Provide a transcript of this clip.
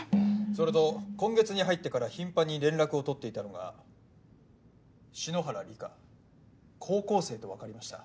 それと今月に入ってから頻繁に連絡を取っていたのが篠原梨花高校生と分かりました。